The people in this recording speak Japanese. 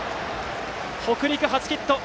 北陸、初ヒット！